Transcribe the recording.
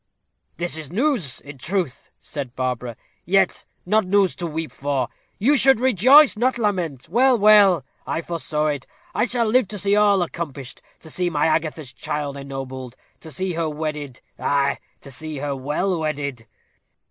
"This is news, in truth," said Barbara; "yet not news to weep for. You should rejoice, not lament. Well, well, I foresaw it. I shall live to see all accomplished; to see my Agatha's child ennobled; to see her wedded; ay, to see her well wedded."